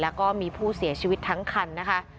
แล้วก็มีผู้เสียชีวิตทั้งคันนะคะ